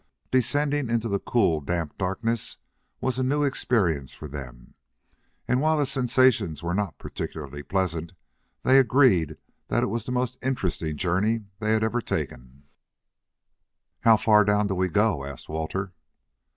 Descending into the cool, damp darkness was a new experience for them. And while the sensations were not particularly pleasant, they agreed that it was the most interesting journey they ever had taken. "How far down do we go?" asked Walter.